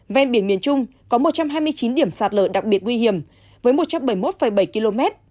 ven biển miền trung có một trăm hai mươi chín điểm sạt lở đặc biệt nguy hiểm với một trăm bảy mươi một bảy km